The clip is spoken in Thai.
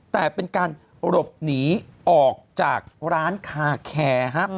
แต่เป็นการหลบหนีออกจากร้านคาแคร์ฮะ